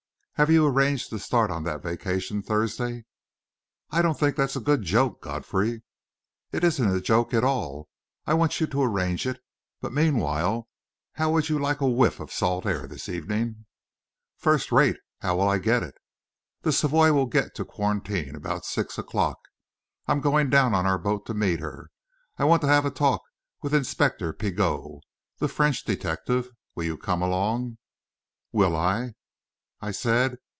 "Have you arranged to start on that vacation Thursday?" "I don't think that's a good joke, Godfrey." "It isn't a joke at all. I want you to arrange it. But meanwhile, how would you like a whiff of salt air this evening?" "First rate. How will I get it?" "The Savoie will get to quarantine about six o'clock. I'm going down on our boat to meet her. I want to have a talk with Inspector Pigot the French detective. Will you come along?" "Will I!" I said.